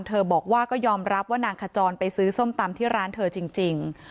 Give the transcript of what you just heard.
บอกว่าก็ยอมรับว่านางขจรไปซื้อส้มตำที่ร้านเธอจริง